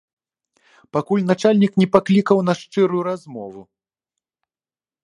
Пакуль начальнік не паклікаў на шчырую размову.